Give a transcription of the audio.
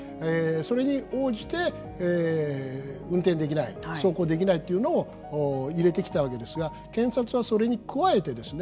それに応じて運転できない走行できないというのを入れてきたわけですが検察はそれに加えてですね